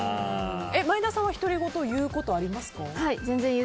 前田さんは独り言を言うことはありますか？